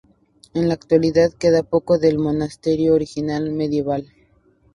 En la actualidad queda poco del monasterio original medieval.